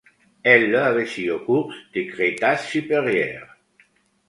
Elle a vécu au cours du Crétacé supérieur.